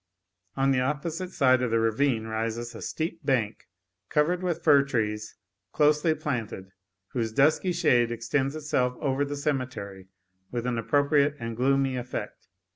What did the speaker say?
On the opposite side of the ravine rises a steep bank, covered with fir trees closely planted, whose dusky shade extends itself over the cemetery with an appropriate and gloomy effect.